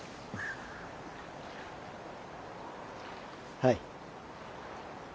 はい。